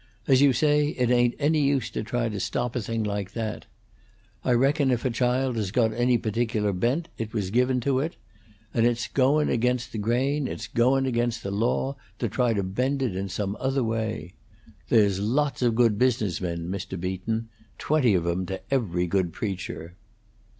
As you say, it ain't any use to try to stop a thing like that. I reckon if a child has got any particular bent, it was given to it; and it's goin' against the grain, it's goin' against the law, to try to bend it some other way. There's lots of good business men, Mr. Beaton, twenty of 'em to every good preacher?"